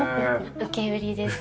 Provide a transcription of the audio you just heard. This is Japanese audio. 受け売りです。